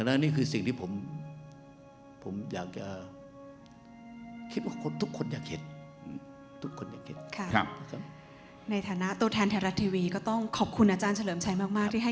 แล้วนี่คือสิ่งที่ผมอยากจะ